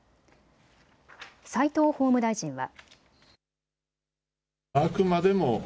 齋藤法務大臣は。